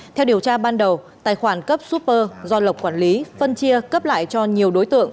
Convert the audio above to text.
theo điều tra ban đầu tài khoản cấp úper do lộc quản lý phân chia cấp lại cho nhiều đối tượng